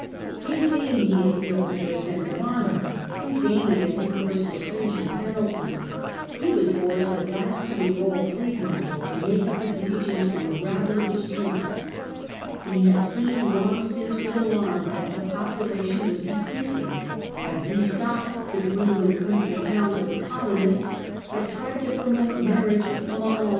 In vain peror, appealed to their sense of honour, in vain he had recourse to stringent penalties ; he was forced at last to enrol freedmen and make up his legions from the who can rabble of the streets. He had seen long since hardly levy with alarm that the population wa^ decreasing, soldiers, re stocked the dwindling country towns with colonists, had tried to promote marriage among all — A,D. 14. Augustus.